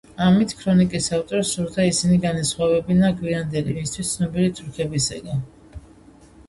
ამით ქრონიკის ავტორს სურდა ისინი განესხვავებინა გვიანდელი, მისთვის ცნობილი თურქებისაგან.